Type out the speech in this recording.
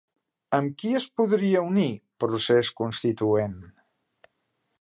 Amb qui es podria unir Procés Constituent?